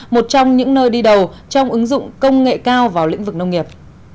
một trong những nơi đi đầu trong ứng dụng công nghệ cao vào lĩnh vực nông nghiệp